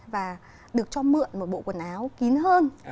và được cho mượn một bộ quần áo kín hơn